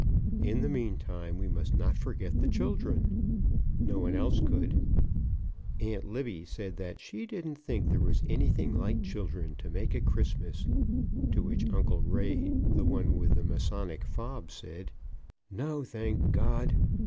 In the meantime, we must not forget the children. No one else could. Aunt Libbie said that she didn't think there was anything like children to make a Christmas; to which Uncle Ray, the one with the Masonic fob, said, "No, thank God!"